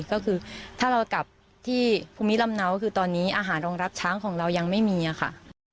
ก็คือถ้าเรากลับที่ภูมิลำเนาคือตอนนี้อาหารรองรับช้างของเรายังไม่มีค่ะ